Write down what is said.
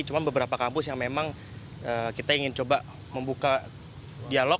cuma beberapa kampus yang memang kita ingin coba membuka dialog